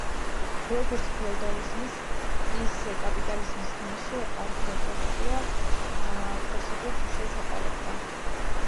როგორც ფეოდალიზმის, ისე კაპიტალიზმის ხანაში არქეოგრაფია კლასობრივ ხასიათს ატარებდა.